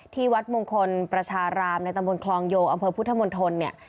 ที่วัดมงคลประชารามในตำบลคลองโยอำเภอพุทธมนตรเนี่ย